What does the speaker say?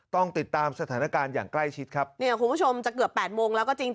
ต้องติดตามสถานการณ์อย่างใกล้ชิดครับเนี่ยคุณผู้ชมจะเกือบ๘โมงแล้วก็จริง